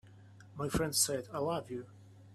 My friend said: "I love you.